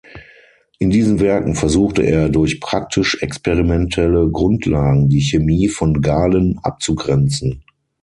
In diesen Werken versuchte er, durch praktisch-experimentelle Grundlagen die Chemie von Galen abzugrenzen.